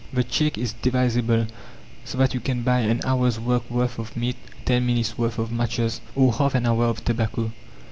The cheque is divisible, so that you can buy an hour's work worth of meat, ten minutes' worth of matches, or half an hour of tobacco.